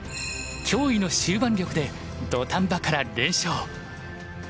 驚異の終盤力で土壇場から連勝。